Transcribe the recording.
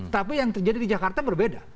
tapi yang terjadi di jakarta berbeda